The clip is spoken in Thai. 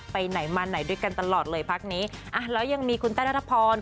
ไปไหนมาไหนด้วยกันตลอดเลยพักนี้อ่ะแล้วยังมีคุณแต้นัทพร